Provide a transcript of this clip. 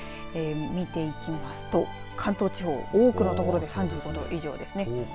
見ていきますと関東地方多くのところで３５度以上ですね。